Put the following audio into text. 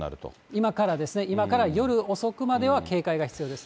今からですね、今から夜遅くまでは警戒が必要です。